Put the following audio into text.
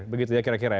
begitu ya kira kira